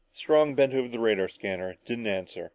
Strong, bent over the radar scanner, didn't answer.